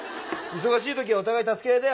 忙しい時はお互い助け合いだよ。